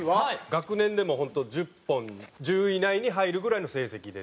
学年でも本当１０本１０位以内に入るぐらいの成績で。